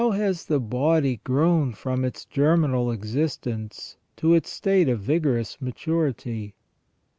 How has the body grown from its germinal existence to its state of vigorous maturity